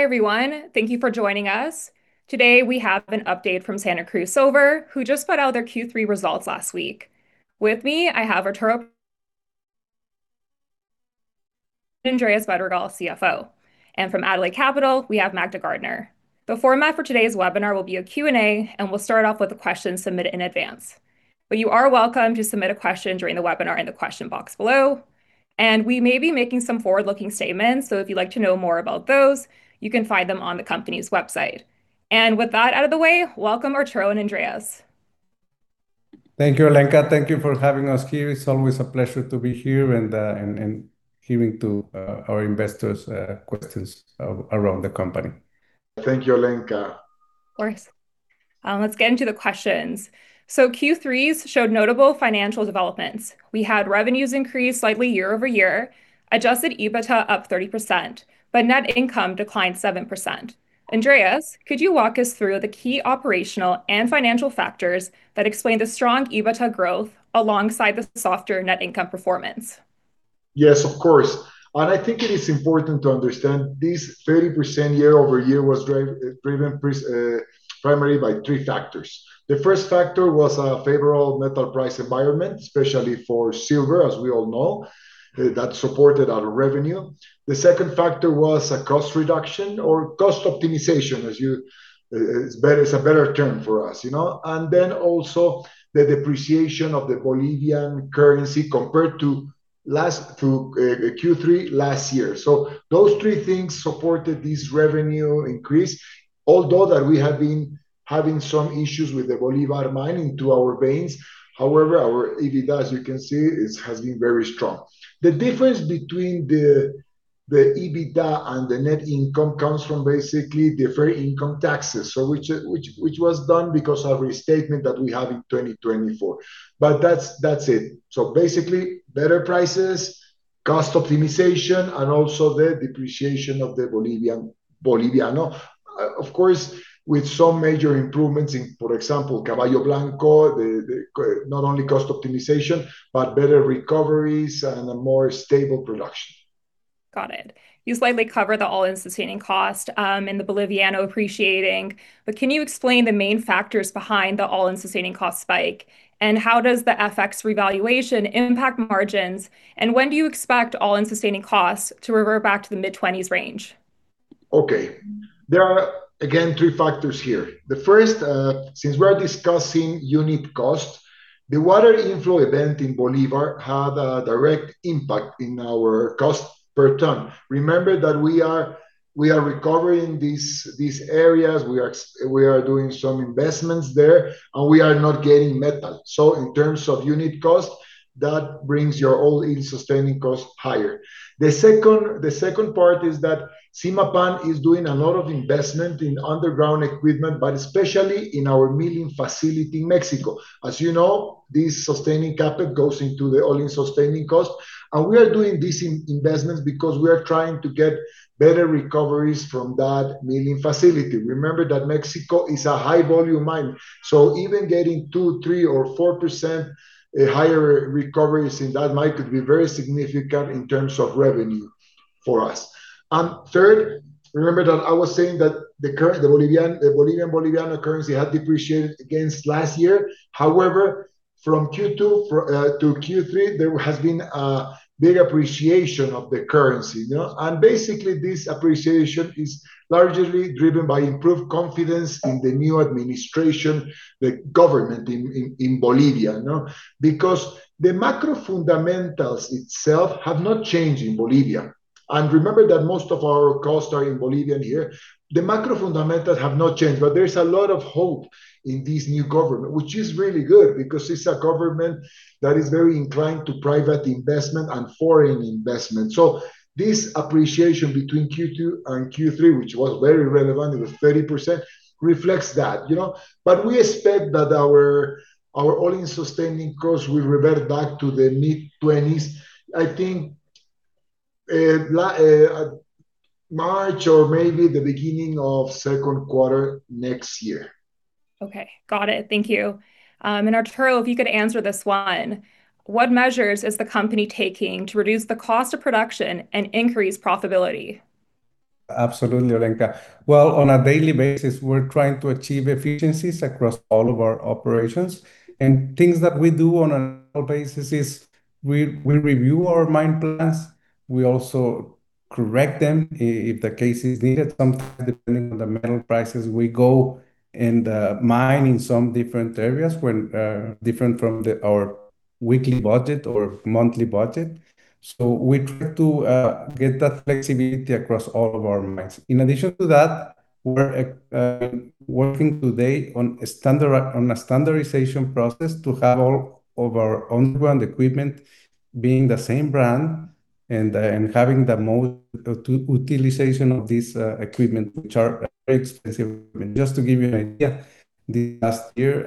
Hi everyone, thank you for joining us. Today we have an update from Santa Cruz Silver, who just put out their Q3 results last week. With me, I have Arturo, Andres Bergal, CFO, and from Adelaide Capital, we have Magda Gardner. The format for today's webinar will be a Q&A, and we'll start off with the questions submitted in advance. But you are welcome to submit a question during the webinar in the question box below. And we may be making some forward-looking statements, so if you'd like to know more about those, you can find them on the company's website. And with that out of the way, welcome Arturo and Andres. Thank you, Alenka. Thank you for having us here. It's always a pleasure to be here and hearing our investors' questions around the company. Thank you, Alenka. Of course. Let's get into the questions. So Q3s showed notable financial developments. We had revenues increase slightly year over year, Adjusted EBITDA up 30%, but net income declined 7%. Andres, could you walk us through the key operational and financial factors that explain the strong EBITDA growth alongside the softer net income performance? Yes, of course. And I think it is important to understand this 30% year over year was driven primarily by three factors. The first factor was a favorable metal price environment, especially for silver, as we all know, that supported our revenue. The second factor was a cost reduction or cost optimization, as you better say, a better term for us, you know. And then also the depreciation of the Bolivian currency compared to last Q3 last year. So those three things supported this revenue increase, although that we have been having some issues with the Bolívar mine and our veins. However, our EBITDA, as you can see, has been very strong. The difference between the EBITDA and the net income comes from basically the foreign income taxes, which was done because of a restatement that we have in 2024. But that's it. So basically, better prices, cost optimization, and also the depreciation of the Boliviano. Of course, with some major improvements in, for example, Caballo Blanco, not only cost optimization, but better recoveries and a more stable production. Got it. You slightly covered the all-in sustaining cost in the Boliviano appreciating. But can you explain the main factors behind the all-in sustaining cost spike? And how does the FX revaluation impact margins? And when do you expect all-in sustaining costs to revert back to the mid-20s range? Okay. There are, again, three factors here. The first, since we are discussing unit cost, the water inflow event in Bolívar had a direct impact in our cost per ton. Remember that we are recovering these areas. We are doing some investments there, and we are not getting metal. So in terms of unit cost, that brings your all-in sustaining cost higher. The second part is that Zimapán is doing a lot of investment in underground equipment, but especially in our milling facility in Mexico. As you know, this sustaining capital goes into the all-in sustaining cost. And we are doing these investments because we are trying to get better recoveries from that milling facility. Remember that Mexico is a high-volume mine. So even getting 2%, 3%, or 4% higher recoveries in that mine could be very significant in terms of revenue for us. And third, remember that I was saying that the Boliviano currency had depreciated against last year. However, from Q2 to Q3, there has been a big appreciation of the currency. And basically, this appreciation is largely driven by improved confidence in the new administration, the government in Bolivia. Because the macro fundamentals itself have not changed in Bolivia. And remember that most of our costs are in Bolivianos here. The macro fundamentals have not changed, but there's a lot of hope in this new government, which is really good because it's a government that is very inclined to private investment and foreign investment. So this appreciation between Q2 and Q3, which was very relevant, it was 30%, reflects that. But we expect that our all-in sustaining costs will revert back to the mid-20s, I think, March or maybe the beginning of second quarter next year. Okay. Got it. Thank you. And Arturo, if you could answer this one, what measures is the company taking to reduce the cost of production and increase profitability? Absolutely, Alenka. Well, on a daily basis, we're trying to achieve efficiencies across all of our operations. And things that we do on a daily basis is we review our mine plans. We also correct them if the case is needed. Sometimes, depending on the metal prices, we go and mine in some different areas different from our weekly budget or monthly budget. So we try to get that flexibility across all of our mines. In addition to that, we're working today on a standardization process to have all of our underground equipment being the same brand and having the most utilization of this equipment, which are very expensive equipment. Just to give you an idea, last year,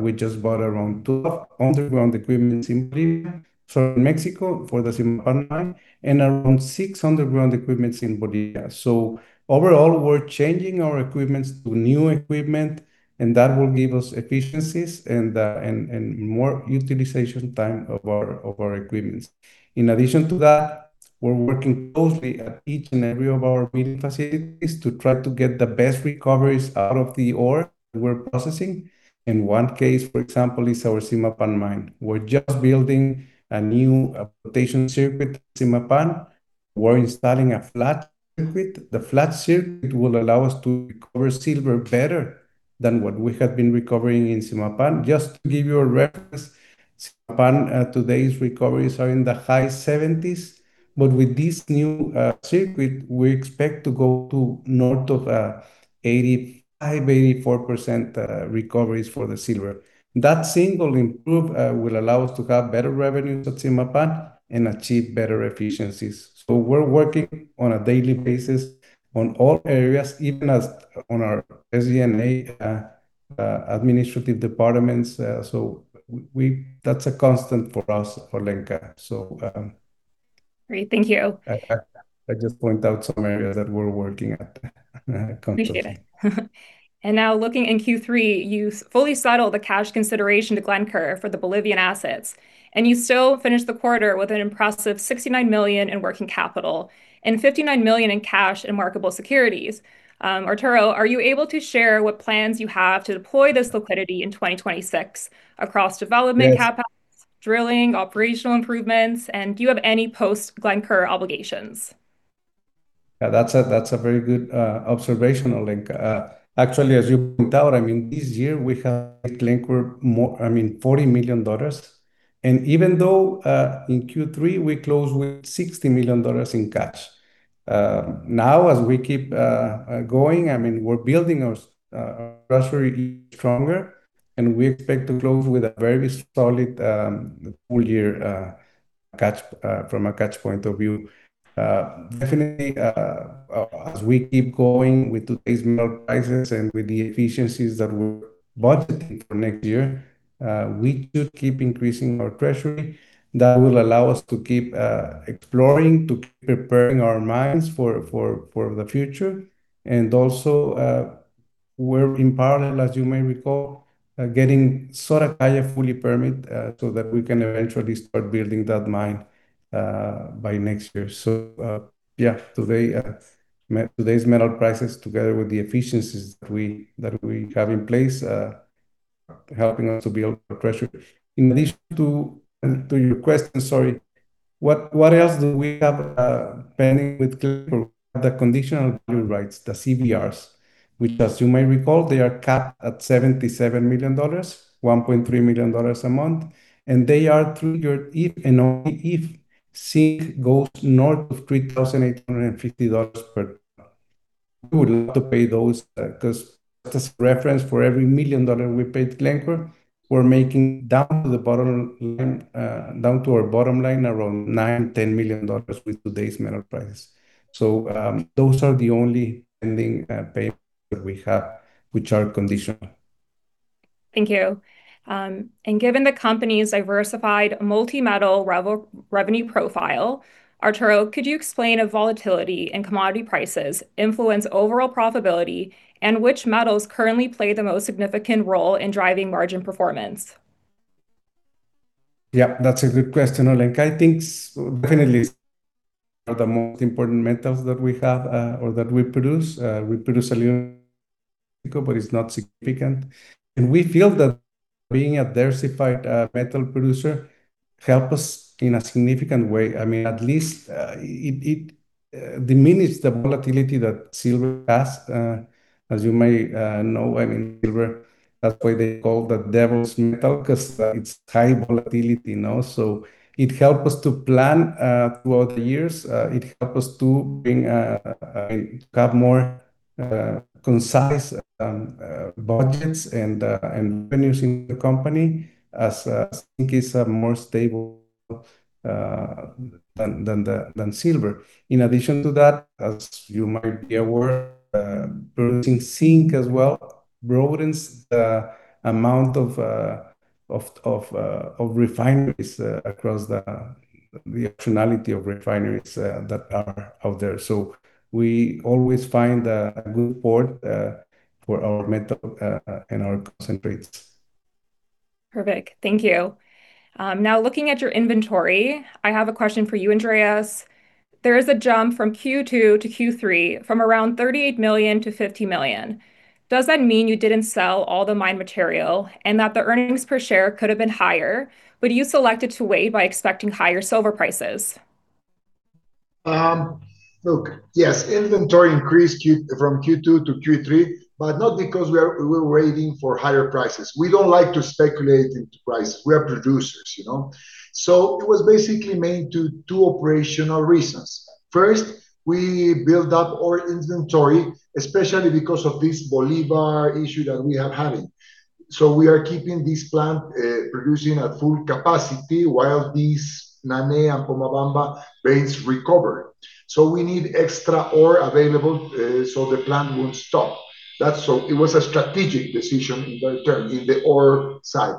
we just bought around 12 underground equipments in Bolivia, so in Mexico for the Zimapán mine, and around six underground equipments in Bolivia. So overall, we're changing our equipment to new equipment, and that will give us efficiencies and more utilization time of our equipment. In addition to that, we're working closely at each and every one of our milling facilities to try to get the best recoveries out of the ore we're processing. And one case, for example, is our Zimapán mine. We're just building a new flotation circuit for Zimapán. We're installing a flotation circuit. The flotation circuit will allow us to recover silver better than what we had been recovering in Zimapán. Just to give you a reference, Zimapán today's recoveries are in the high 70s. But with this new circuit, we expect to go to north of 85%, 84% recoveries for the silver. That single improvement will allow us to have better revenues at Zimapán and achieve better efficiencies. So we're working on a daily basis on all areas, even on our SG&A administrative departments. So that's a constant for us, Alenka. Great. Thank you. I just point out some areas that we're working at. Appreciate it. Now looking in Q3, you fully settled the cash consideration to Glencore for the Bolivian assets. You still finished the quarter with an impressive $69 million in working capital and $59 million in cash and marketable securities. Arturo, are you able to share what plans you have to deploy this liquidity in 2026 across development, capital drilling, operational improvements? Do you have any post-Glencore obligations? Yeah, that's a very good observation, Alenka. Actually, as you point out, I mean, this year we have Glencore, I mean, $40 million, and even though in Q3, we closed with $60 million in cash. Now, as we keep going, I mean, we're building our treasury stronger, and we expect to close with a very solid full year from a cash point of view. Definitely, as we keep going with today's metal prices and with the efficiencies that we're budgeting for next year, we should keep increasing our treasury. That will allow us to keep exploring, to keep preparing our mines for the future, and also, we're in parallel, as you may recall, getting Soracaya fully permitted so that we can eventually start building that mine by next year, so yeah, today's metal prices, together with the efficiencies that we have in place, are helping us to build our treasury. In addition to your question, sorry, what else do we have pending with Glencore? We have the conditional value rights, the CVRs, which, as you may recall, they are capped at $77 million, $1.3 million a month. And they are triggered if and only if zinc goes north of $3,850 per ton. We would love to pay those because just as a reference, for every million dollars we pay to Glencore, we're making down to the bottom line, down to our bottom line, around $9 million-$10 million with today's metal prices. So those are the only pending payments that we have, which are conditional. Thank you. And given the company's diversified multi-metal revenue profile, Arturo, could you explain if volatility in commodity prices influences overall profitability and which metals currently play the most significant role in driving margin performance? Yeah, that's a good question, Alenka. I think definitely the most important metals that we have or that we produce, we produce a little bit of Mexico, but it's not significant, and we feel that being a diversified metal producer helps us in a significant way. I mean, at least it diminishes the volatility that silver has. As you may know, I mean, silver, that's why they call the devil's metal, because it's high volatility, so it helps us to plan throughout the years. It helps us to have more concise budgets and revenues in the company as zinc is more stable than silver. In addition to that, as you might be aware, producing zinc as well broadens the amount of refineries across the optionality of refineries that are out there, so we always find a good port for our metal and our concentrates. Perfect. Thank you. Now, looking at your inventory, I have a question for you, Andres. There is a jump from Q2 to Q3 from around $38 million to $50 million. Does that mean you didn't sell all the mine material and that the earnings per share could have been higher, but you selected to wait by expecting higher silver prices? Look, yes, inventory increased from Q2 to Q3, but not because we were waiting for higher prices. We don't like to speculate into prices. We are producers. So it was basically mainly due to two operational reasons. First, we built up our inventory, especially because of this Bolívar issue that we have had. So we are keeping this plant producing at full capacity while these Naney and Pomabamba banks recover. So we need extra ore available so the plant won't stop. So it was a strategic decision in the term in the ore side.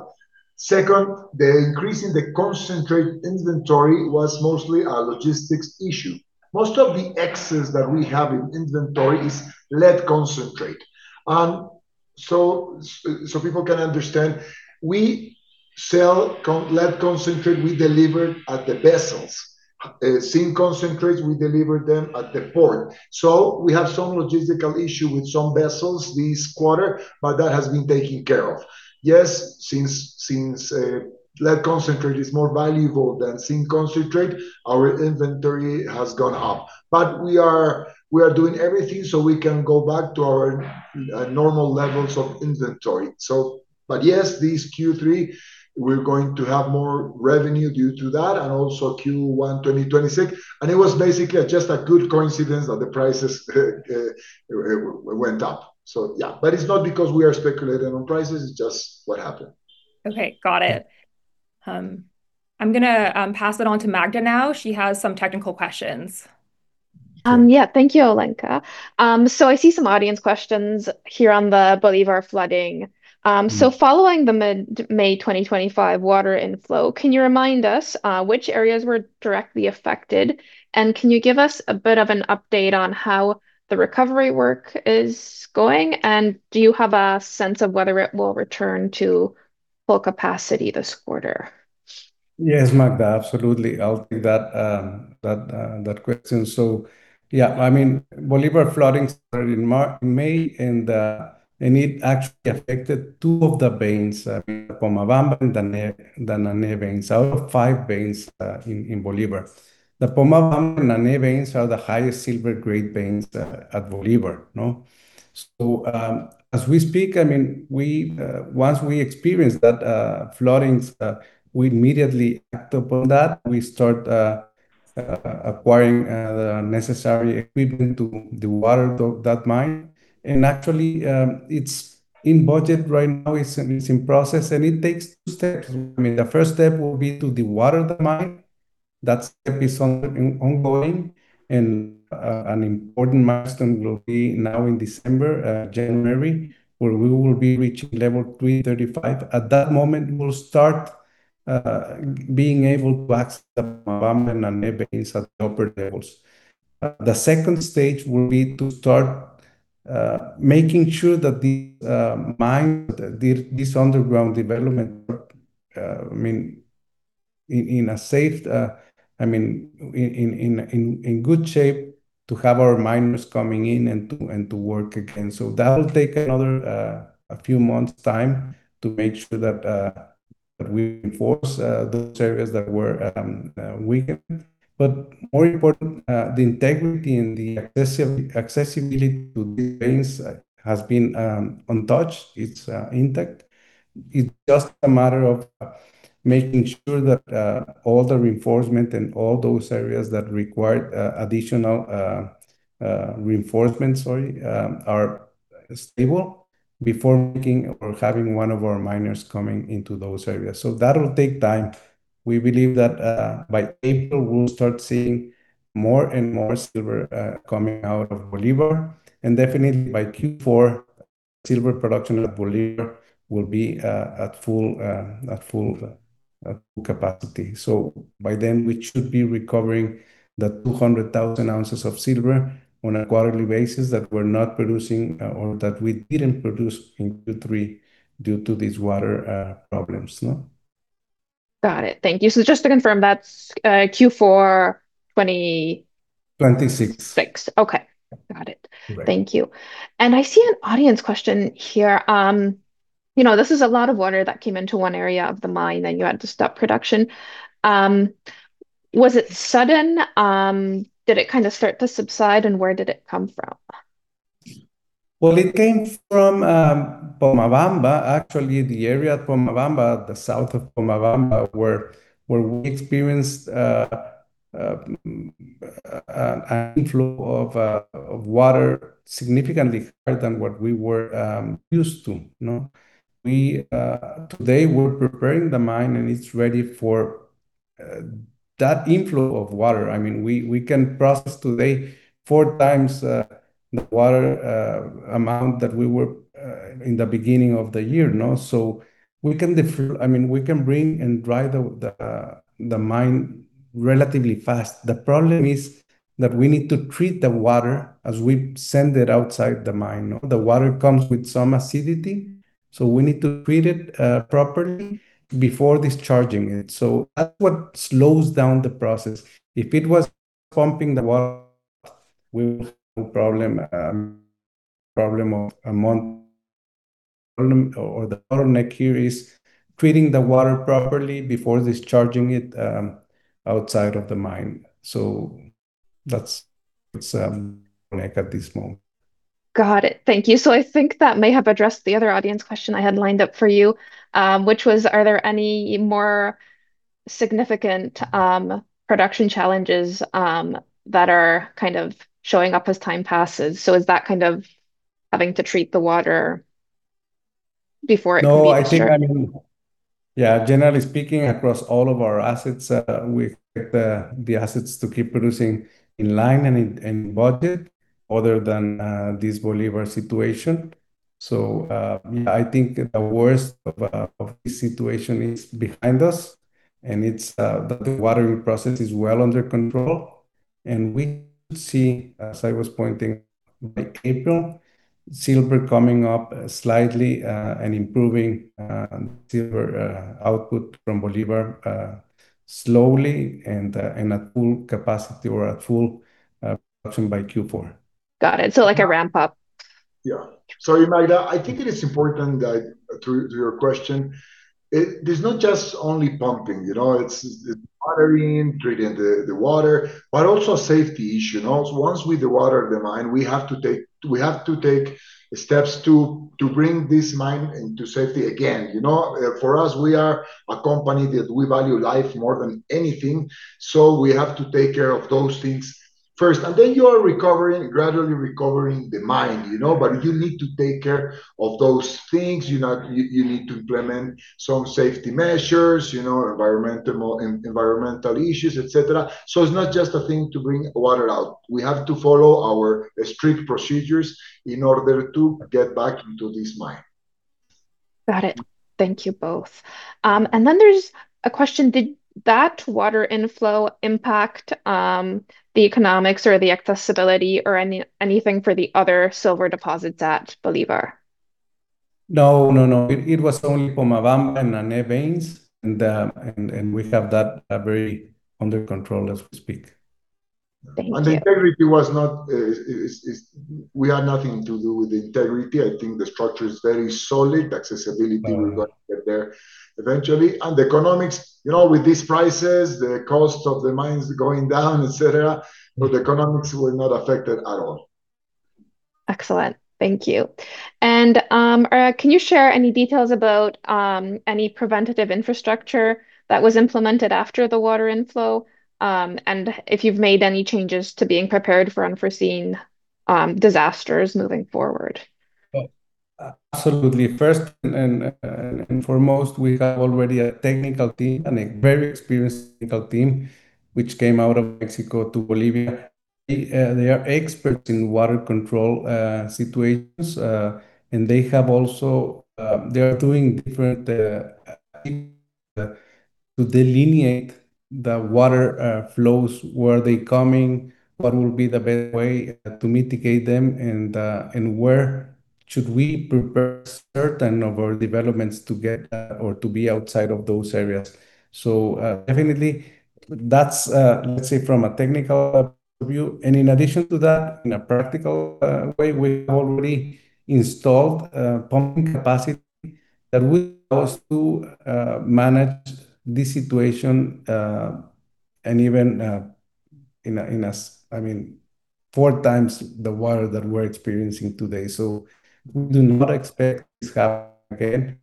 Second, the increase in the concentrate inventory was mostly a logistics issue. Most of the excess that we have in inventory is lead concentrate. And so people can understand, we sell lead concentrate, we deliver at the vessels. Zinc concentrate, we deliver them at the port. So we have some logistical issue with some vessels this quarter, but that has been taken care of. Yes, since lead concentrate is more valuable than zinc concentrate, our inventory has gone up. But we are doing everything so we can go back to our normal levels of inventory. But yes, this Q3, we're going to have more revenue due to that, and also Q1 2026. And it was basically just a good coincidence that the prices went up. So yeah, but it's not because we are speculating on prices. It's just what happened. Okay. Got it. I'm going to pass it on to Magda now. She has some technical questions. Yeah, thank you, Alenka. So I see some audience questions here on the Bolívar flooding. So following the mid-May 2025 water inflow, can you remind us which areas were directly affected? And can you give us a bit of an update on how the recovery work is going? And do you have a sense of whether it will return to full capacity this quarter? Yes, Magda, absolutely. I'll take that question. So yeah, I mean, Bolívar flooding started in May, and it actually affected two of the banks, the Pomabamba and the Naney banks, out of five banks in Bolívar. The Pomabamba and Naney banks are the highest silver-grade banks at Bolívar. So as we speak, I mean, once we experience that flooding, we immediately act upon that. We start acquiring the necessary equipment to dewater that mine. And actually, it's in budget right now. It's in process. And it takes two steps. I mean, the first step will be to dewater the mine. That step is ongoing. And an important milestone will be now in December, January, where we will be reaching level 335. At that moment, we'll start being able to access the Pomabamba and Naney banks at the upper levels. The second stage will be to start making sure that these mines, this underground development, I mean, in a safe, I mean, in good shape to have our miners coming in and to work again. So that will take another few months' time to make sure that we reinforce those areas that were weakened. But more important, the integrity and the accessibility to the banks has been untouched. It's intact. It's just a matter of making sure that all the reinforcement and all those areas that require additional reinforcement, sorry, are stable before making or having one of our miners coming into those areas. So that will take time. We believe that by April, we'll start seeing more and more silver coming out of Bolívar. And definitely, by Q4, silver production at Bolívar will be at full capacity. So by then, we should be recovering the 200,000 ounces of silver on a quarterly basis that we're not producing or that we didn't produce in Q3 due to these water problems. Got it. Thank you. So just to confirm, that's Q4 20. 2026. Okay. Got it. Thank you. And I see an audience question here. This is a lot of water that came into one area of the mine, and you had to stop production. Was it sudden? Did it kind of start to subside, and where did it come from? It came from Pomabamba. Actually, the area at Pomabamba, the south of Pomabamba, where we experienced an inflow of water significantly higher than what we were used to. Today, we're preparing the mine, and it's ready for that inflow of water. I mean, we can process today four times the water amount that we were in the beginning of the year. So we can, I mean, we can bring and dry the mine relatively fast. The problem is that we need to treat the water as we send it outside the mine. The water comes with some acidity. So we need to treat it properly before discharging it. So that's what slows down the process. If it was pumping the water, we would have a problem of a month. The bottleneck here is treating the water properly before discharging it outside of the mine. That's the bottleneck at this moment. Got it. Thank you. So I think that may have addressed the other audience question I had lined up for you, which was, are there any more significant production challenges that are kind of showing up as time passes? So is that kind of having to treat the water before it moves out? No, I think, I mean, yeah, generally speaking, across all of our assets, we expect the assets to keep producing in line and in budget other than this Bolívar situation, so yeah, I think the worst of this situation is behind us, and the watering process is well under control, and we should see, as I was pointing out by April, silver coming up slightly and improving silver output from Bolívar slowly and at full capacity or at full production by Q4. Got it, so like a ramp-up. Yeah. Sorry, Magda. I think it is important that to your question, it's not just only pumping. It's watering, treating the water, but also a safety issue. Once we dewater the mine, we have to take steps to bring this mine into safety again. For us, we are a company that we value life more than anything. So we have to take care of those things first. And then you are recovering, gradually recovering the mine. But you need to take care of those things. You need to implement some safety measures, environmental issues, etc. So it's not just a thing to bring water out. We have to follow our strict procedures in order to get back into this mine. Got it. Thank you both, and then there's a question. Did that water inflow impact the economics or the accessibility or anything for the other silver deposits at Bolívar? No, no, no. It was only Pomabamba and Naney banks. And we have that very under control as we speak. Thank you. And the integrity was not. We had nothing to do with the integrity. I think the structure is very solid. Accessibility, we're going to get there eventually. And the economics, with these prices, the cost of the mines going down, etc., but the economics were not affected at all. Excellent. Thank you. Can you share any details about any preventative infrastructure that was implemented after the water inflow? And if you've made any changes to being prepared for unforeseen disasters moving forward? Absolutely. First and foremost, we have already a technical team and a very experienced technical team, which came out of Mexico to Bolivia. They are experts in water control situations. And they are doing different things to delineate the water flows. Where are they coming? What will be the best way to mitigate them? And where should we prepare certain of our developments to get or to be outside of those areas? So definitely, that's, let's say, from a technical point of view. And in addition to that, in a practical way, we have already installed pumping capacity that will allow us to manage this situation and even in a, I mean, four times the water that we're experiencing today. So we do not expect this to happen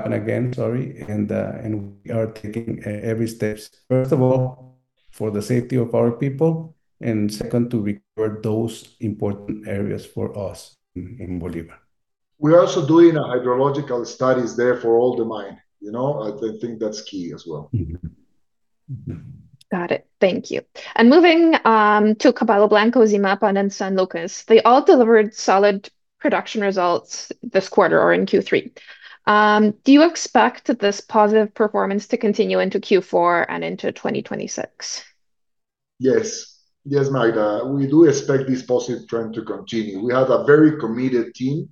again, sorry. We are taking every step, first of all, for the safety of our people, and second, to recover those important areas for us in Bolívar. We're also doing hydrological studies there for all the mines. I think that's key as well. Got it. Thank you, and moving to Caballo Blanco, Zimapán, and San Lucas, they all delivered solid production results this quarter or in Q3. Do you expect this positive performance to continue into Q4 and into 2026? Yes. Yes, Magda. We do expect this positive trend to continue. We have a very committed team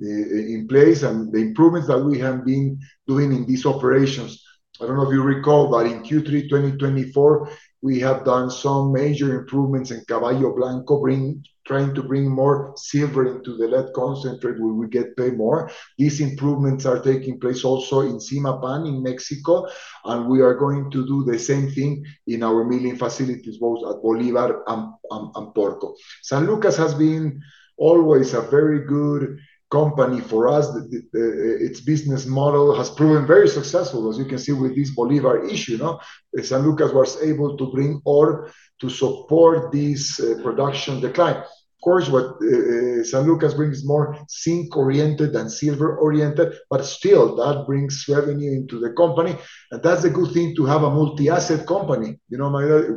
in place, and the improvements that we have been doing in these operations, I don't know if you recall, but in Q3 2024, we have done some major improvements in Caballo Blanco, trying to bring more silver into the lead concentrate where we get paid more. These improvements are taking place also in Zimapán, in Mexico, and we are going to do the same thing in our milling facilities, both at Bolívar and Porco. San Lucas has been always a very good company for us. Its business model has proven very successful, as you can see with this Bolívar issue. San Lucas was able to bring ore to support this production decline. Of course, San Lucas brings more zinc-oriented than silver-oriented, but still, that brings revenue into the company. That's a good thing to have a multi-asset company.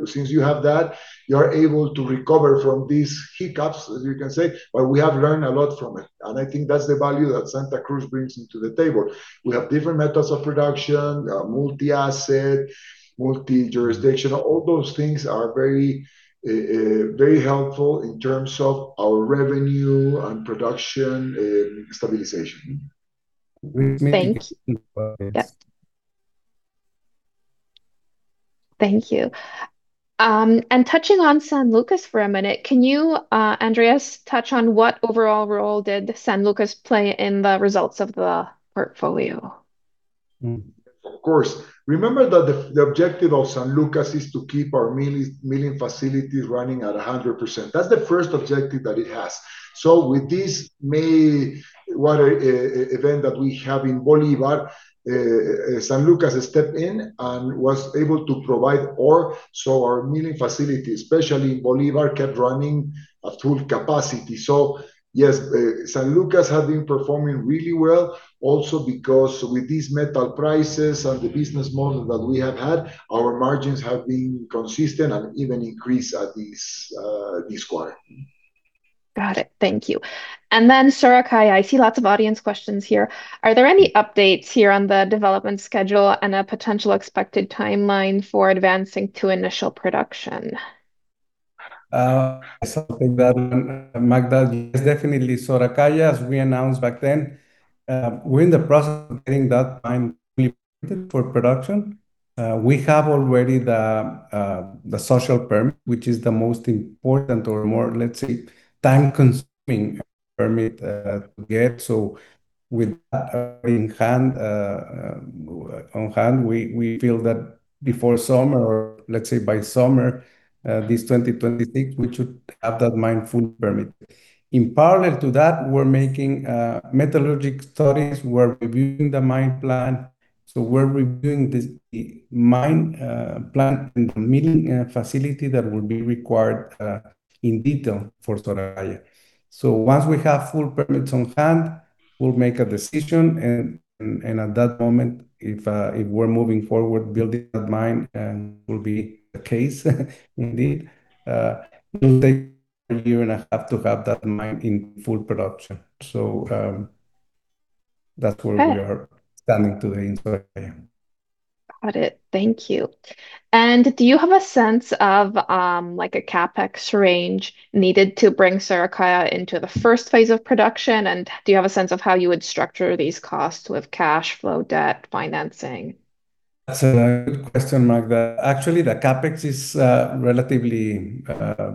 Since you have that, you are able to recover from these hiccups, as you can say, but we have learned a lot from it, and I think that's the value that Santa Cruz brings to the table. We have different methods of production, multi-asset, multi-jurisdiction. All those things are very helpful in terms of our revenue and production stabilization. Thank you. Thank you. And touching on San Lucas for a minute, can you, Andres, touch on what overall role did San Lucas play in the results of the portfolio? Of course. Remember that the objective of San Lucas is to keep our milling facilities running at 100%. That's the first objective that it has. So with this May water event that we have in Bolívar, San Lucas stepped in and was able to provide ore. So our milling facility, especially in Bolívar, kept running at full capacity. So yes, San Lucas has been performing really well, also because with these metal prices and the business model that we have had, our margins have been consistent and even increased this quarter. Got it. Thank you. And then, Soracaya, I see lots of audience questions here. Are there any updates here on the development schedule and a potential expected timeline for advancing to initial production? Something that, Magda, yes, definitely, Soracaya, as we announced back then, we're in the process of getting that mine fully prepared for production. We have already the social permit, which is the most important or more, let's say, time-consuming permit to get. So with that in hand, we feel that before summer, or let's say, by summer this 2026, we should have that mine full permit. In parallel to that, we're making metallurgical studies. We're reviewing the mine plan. So we're reviewing the mine plan and the milling facility that will be required in detail for Soracaya. So once we have full permits on hand, we'll make a decision. And at that moment, if we're moving forward, building that mine will be the case, indeed. It will take a year and a half to have that mine in full production. So that's where we are standing today in Soracaya. Got it. Thank you. And do you have a sense of a CapEx range needed to bring Soracaya into the first phase of production? And do you have a sense of how you would structure these costs with cash flow, debt, financing? That's a good question, Magda. Actually, the CapEx is relatively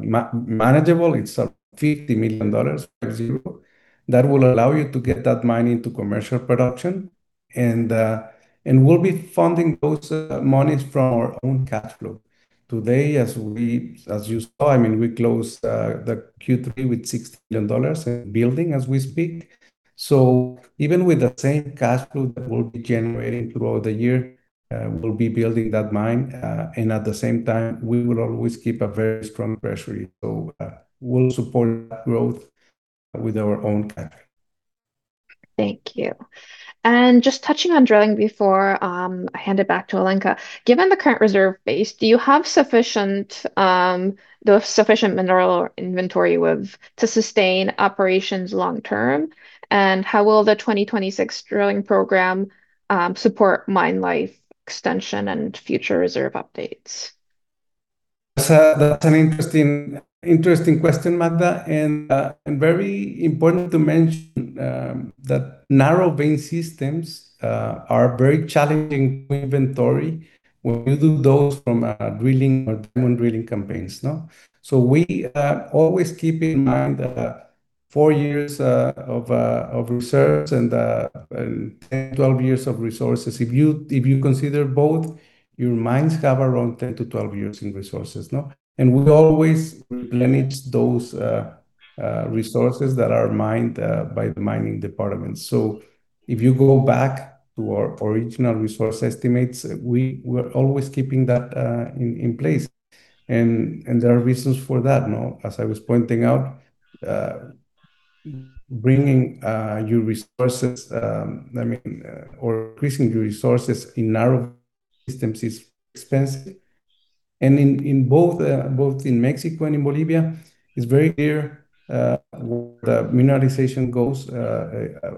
manageable. It's $50 million, zero. That will allow you to get that mine into commercial production, and we'll be funding those monies from our own cash flow. Today, as you saw, I mean, we closed the Q3 with $6 million in the bank as we speak, so even with the same cash flow that we'll be generating throughout the year, we'll be building that mine. And at the same time, we will always keep a very strong treasury, so we'll support that growth with our own cash. Thank you and just touching on drilling before I hand it back to Alenka. Given the current reserve base, do you have sufficient mineral inventory to sustain operations long-term, and how will the 2026 drilling program support mine life extension and future reserve updates? That's an interesting question, Magda. And very important to mention that narrow-vein systems are very challenging to inventory when you do those from drilling or diamond drilling campaigns. So we always keep in mind four years of reserves and 10-12 years of resources. If you consider both, your mines have around 10-12 years in resources. And we always replenish those resources that are mined by the mining department. So if you go back to our original resource estimates, we're always keeping that in place. And there are reasons for that. As I was pointing out, bringing your resources, I mean, or increasing your resources in narrow systems is expensive. And both in Mexico and in Bolivia, it's very clear where the mineralization goes.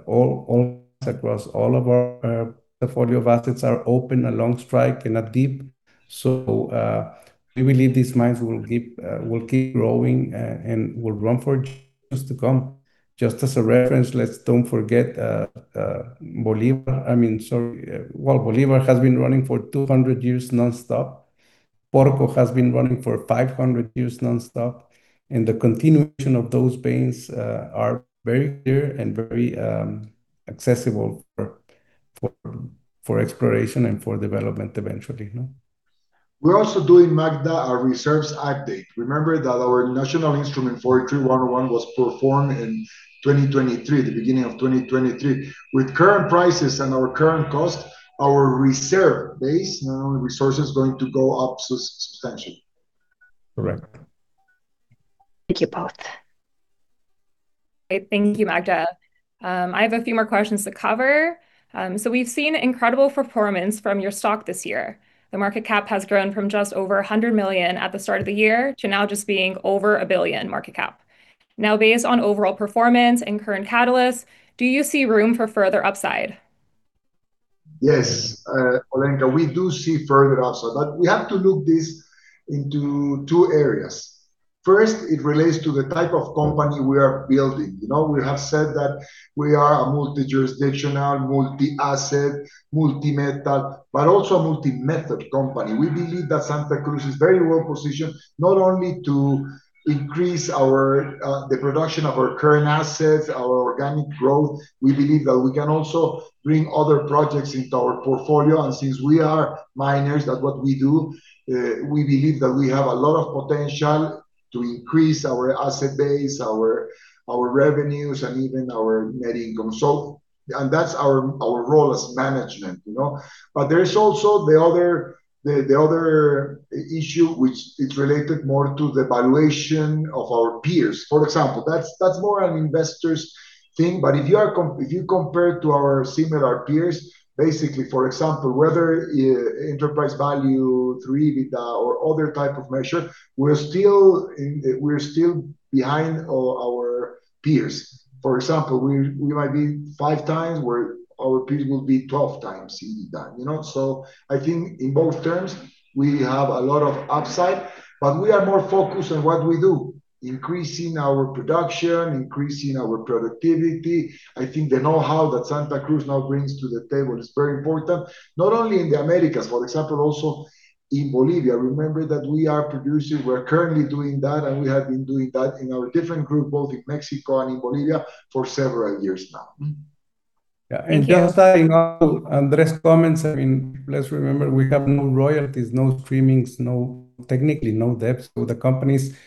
All mines across all of our portfolio of assets are open along strike and at depth. So we believe these mines will keep growing and will run for years to come. Just as a reference, let's don't forget Bolívar. I mean, sorry, well, Bolívar has been running for 200 years nonstop. Porco has been running for 500 years nonstop. And the continuation of those veins are very clear and very accessible for exploration and for development eventually. We're also doing, Magda, a reserves update. Remember that our National Instrument 43-101 was performed in 2023, the beginning of 2023. With current prices and our current cost, our reserve base, resources are going to go up substantially. Correct. Thank you both. Thank you, Magda. I have a few more questions to cover. So we've seen incredible performance from your stock this year. The market cap has grown from just over 100 million at the start of the year to now just being over a billion market cap. Now, based on overall performance and current catalysts, do you see room for further upside? Yes, Alenka, we do see further upside. But we have to look this into two areas. First, it relates to the type of company we are building. We have said that we are a multi-jurisdictional, multi-asset, multi-metal, but also a multi-method company. We believe that Santa Cruz is very well positioned, not only to increase the production of our current assets, our organic growth. We believe that we can also bring other projects into our portfolio. And since we are miners, that's what we do, we believe that we have a lot of potential to increase our asset base, our revenues, and even our net income. And that's our role as management. But there's also the other issue, which is related more to the valuation of our peers. For example, that's more an investor's thing. If you compare to our similar peers, basically, for example, whether enterprise value, three EBITDA, or other type of measure, we're still behind our peers. For example, we might be five times where our peers will be 12 times EBITDA. I think in both terms, we have a lot of upside. We are more focused on what we do, increasing our production, increasing our productivity. I think the know-how that Santa Cruz now brings to the table is very important, not only in the Americas, for example, also in Bolivia. Remember that we are producing. We're currently doing that. We have been doing that in our different group, both in Mexico and in Bolivia, for several years now. Yeah, and just adding on to Andres' comments, I mean, let's remember we have no royalties, no streamings, technically, no debt. So the company is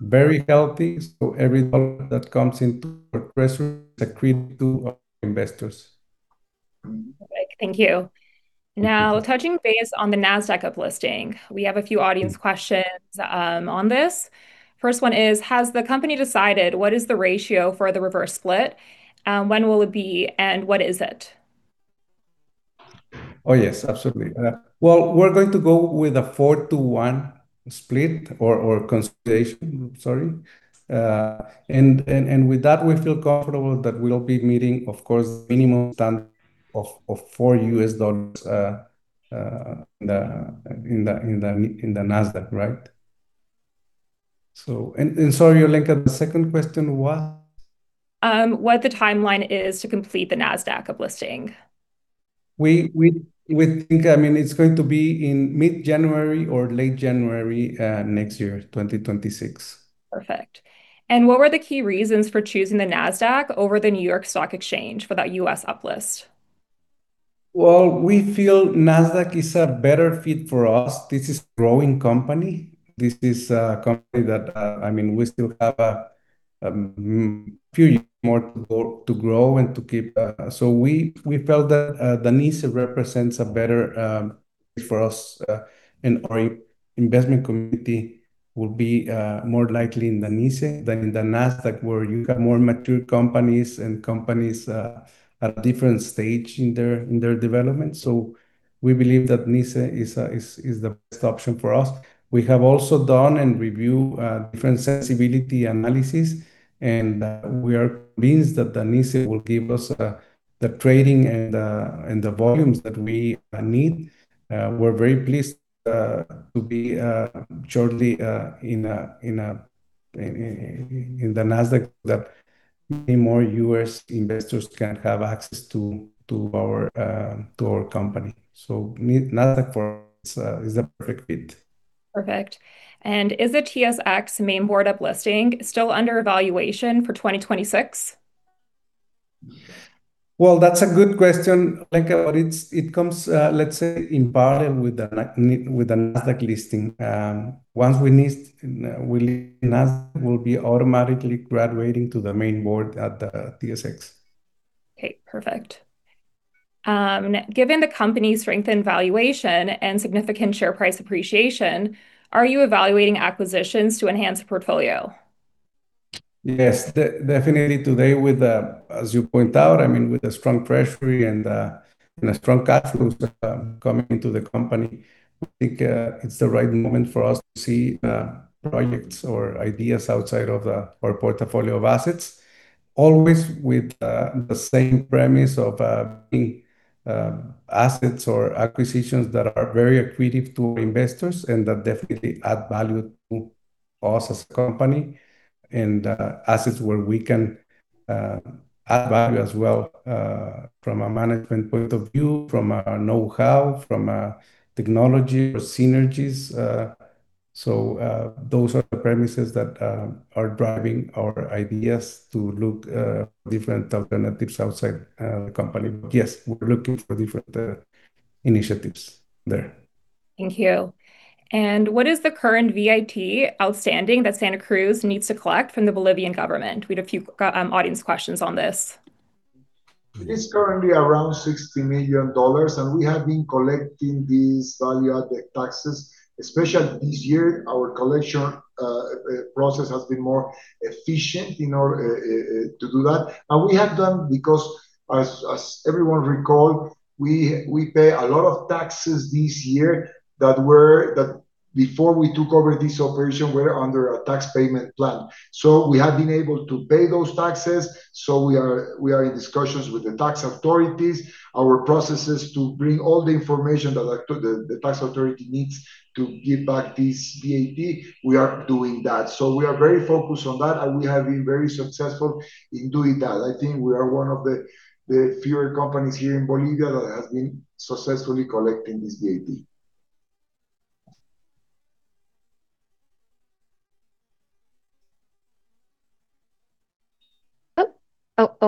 very healthy. So every dollar that comes into our treasury is a credit to our investors. Thank you. Now, touching base on the Nasdaq uplisting, we have a few audience questions on this. First one is, has the company decided what is the ratio for the reverse split? When will it be? And what is it? Oh, yes, absolutely. Well, we're going to go with a 4 to 1 split or consolidation, sorry. And with that, we feel comfortable that we'll be meeting, of course, the minimum standard of $4 in the Nasdaq, right? And sorry, Alenka, the second question was? What the timeline is to complete the Nasdaq uplisting? I mean, it's going to be in mid-January or late January next year, 2026. Perfect. And what were the key reasons for choosing the Nasdaq over the New York Stock Exchange for that U.S. uplist? Well, we feel Nasdaq is a better fit for us. This is a growing company. This is a company that, I mean, we still have a few years more to grow and to keep. So we felt that the NYSE represents a better place for us. And our investment committee will be more likely in the NYSE than in the Nasdaq, where you have more mature companies and companies at a different stage in their development. So we believe that NYSE is the best option for us. We have also done and reviewed different sensitivity analyses. And we are convinced that the NYSE will give us the trading and the volumes that we need. We're very pleased to be shortly in the Nasdaq that many more U.S. investors can have access to our company. So Nasdaq is the perfect fit. Perfect. And is the TSX mainboard uplisting still under evaluation for 2026? That's a good question, Alenka. It comes, let's say, in parallel with the Nasdaq listing. Once we list Nasdaq, we'll be automatically graduating to the mainboard at the TSX. Okay. Perfect. Given the company's strengthened valuation and significant share price appreciation, are you evaluating acquisitions to enhance the portfolio? Yes, definitely. Today, as you point out, I mean, with a strong treasury and a strong cash flow coming into the company, I think it's the right moment for us to see projects or ideas outside of our portfolio of assets, always with the same premise of assets or acquisitions that are very accretive to investors and that definitely add value to us as a company. And assets where we can add value as well from a management point of view, from a know-how, from a technology or synergies. So those are the premises that are driving our ideas to look for different alternatives outside the company. But yes, we're looking for different initiatives there. Thank you. And what is the current VAT outstanding that Santa Cruz needs to collect from the Bolivian government? We had a few audience questions on this. It is currently around $60 million, and we have been collecting these value-added taxes. Especially this year, our collection process has been more efficient to do that, and we have done because, as everyone recalls, we pay a lot of taxes this year that before we took over this operation, we were under a tax payment plan, so we have been able to pay those taxes, so we are in discussions with the tax authorities, our processes to bring all the information that the tax authority needs to give back this VAT. We are doing that, so we are very focused on that, and we have been very successful in doing that. I think we are one of the fewer companies here in Bolivia that has been successfully collecting this VAT.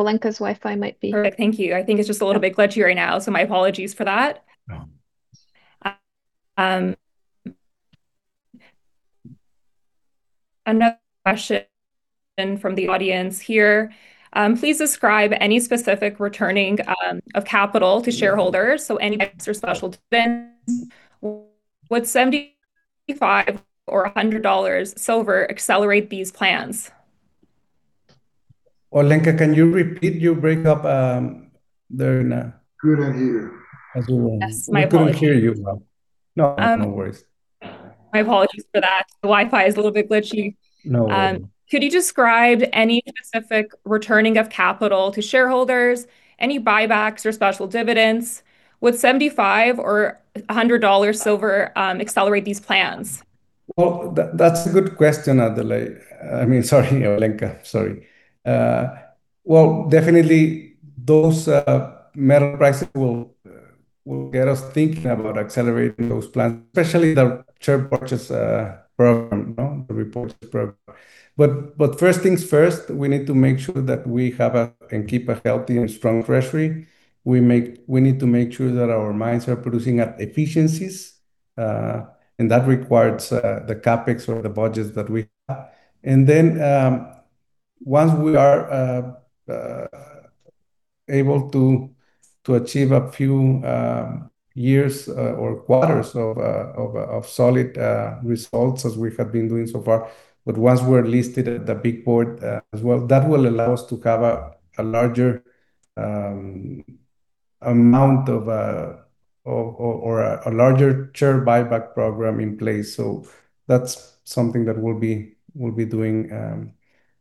Oh, Alenka's Wi-Fi might be. Perfect. Thank you. I think it's just a little bit glitchy right now. So my apologies for that. Another question from the audience here. Please describe any specific returning of capital to shareholders, so any extra special dividends. Would $75 or $100 silver accelerate these plans? Alenka, can you repeat? You break up there. You can't hear you. As you are. Yes, my apologies. We couldn't hear you. No, no worries. My apologies for that. The Wi-Fi is a little bit glitchy. No worries. Could you describe any specific returning of capital to shareholders, any buybacks or special dividends? Would $75 or $100 silver accelerate these plans? That's a good question, Adelaide. I mean, sorry, Alenka. Sorry. Definitely, those metal prices will get us thinking about accelerating those plans, especially the share purchase program, the repurchase program. First things first, we need to make sure that we have and keep a healthy and strong treasury. We need to make sure that our mines are producing at efficiencies. That requires the CapEx or the budgets that we have. Once we are able to achieve a few years or quarters of solid results, as we have been doing so far, but once we're listed at the big board as well, that will allow us to have a larger amount of or a larger share buyback program in place. That's something that we'll be doing.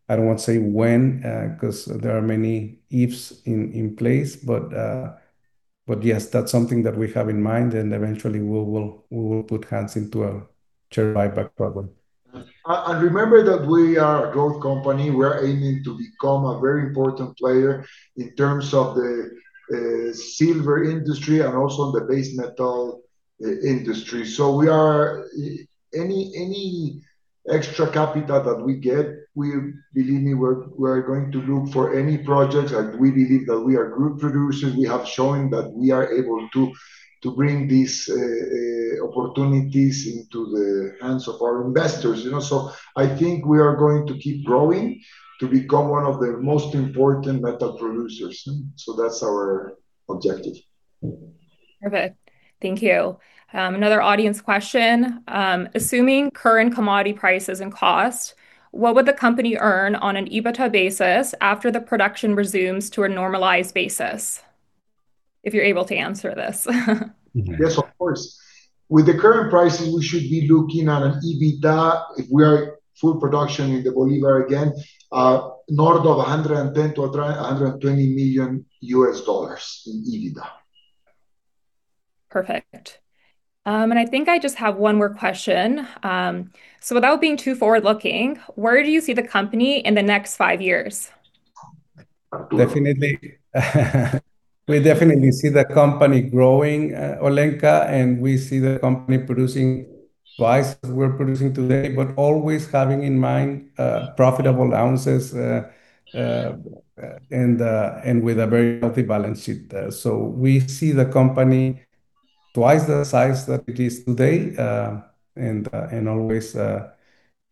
I don't want to say when because there are many ifs in place. But yes, that's something that we have in mind. And eventually, we will put hands into a share buyback program. Remember that we are a growth company. We are aiming to become a very important player in terms of the silver industry and also in the base metal industry. Any extra capital that we get, believe me, we're going to look for any projects. We believe that we are good producers. We have shown that we are able to bring these opportunities into the hands of our investors. I think we are going to keep growing to become one of the most important metal producers. That's our objective. Perfect. Thank you. Another audience question. Assuming current commodity prices and cost, what would the company earn on an EBITDA basis after the production resumes to a normalized basis? If you're able to answer this. Yes, of course. With the current prices, we should be looking at an EBITDA, if we are full production in the Bolívar again, north of $110 million-$120 million in EBITDA. Perfect, and I think I just have one more question, so without being too forward-looking, where do you see the company in the next five years? Definitely. We definitely see the company growing, Alenka, and we see the company producing twice as we're producing today, but always having in mind profitable ounces and with a very healthy balance sheet, so we see the company twice the size that it is today and always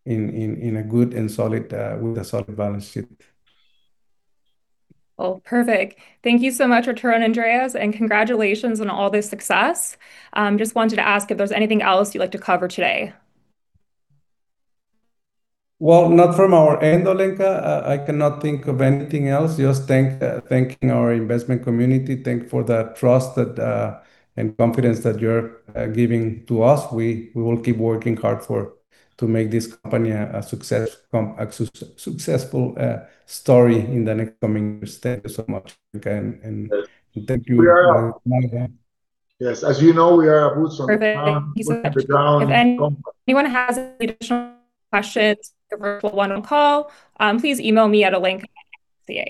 in a good and solid with a solid balance sheet. Perfect. Thank you so much, Arturo and Andres. Congratulations on all this success. Just wanted to ask if there's anything else you'd like to cover today. Not from our end, Alenka. I cannot think of anything else. Just thanking our investment community. Thank you for the trust and confidence that you're giving to us. We will keep working hard to make this company a successful story in the next coming years. Thank you so much, Alenka. Thank you. Yes. As you know, we are a boots on the ground. Perfect. Thank you so much. If anyone has additional questions for the virtual one-on-one call, please email me at alenka@ca.